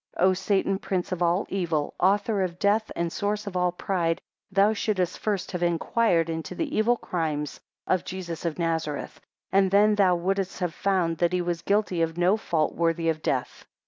12 O Satan, prince of all evil, author of death, and source of all pride, thou shouldest first have inquired into the evil crimes of Jesus of Nazareth, and then thou wouldest have found that he was guilty of no fault worthy of death.